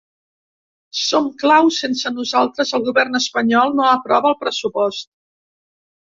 Som clau, sense nosaltres el govern espanyol no aprova el pressupost.